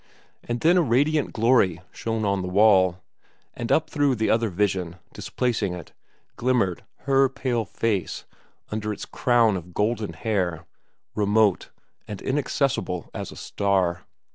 And then a radiant glory shone on the wall, and up through the other vision, displacing it, glimmered Her pale face under its crown of golden hair, remote and inaccessible as a star.